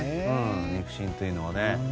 肉親というのはね。